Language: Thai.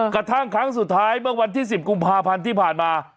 กระทั่งครั้งสุดท้ายเมื่อวันที่๑๐กุมภาพันธ์ที่ผ่านมา